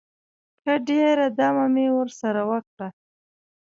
ښه ډېره دمه مې ورسره وکړه.